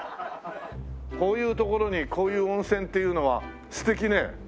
こういう所にこういう温泉っていうのは素敵ね。